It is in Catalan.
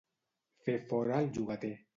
Fer fora el llogater.